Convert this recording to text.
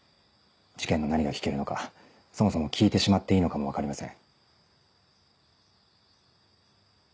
事件の何が聞けるのかそもそも聞いてしまっていいのかも分かりません。